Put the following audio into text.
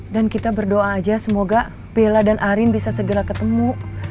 dan kita berdoa aja semoga bella dan arin bisa segera ketemu